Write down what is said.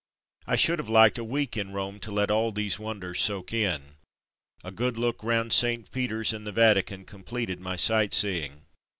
I should have liked a week in Rome to let all these wonders soak in. A good look round St. Peter's and the Vatican completed my sightseeing.